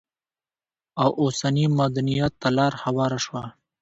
او اوسني مدنيت ته لار هواره شوه؛